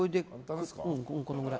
このくらい。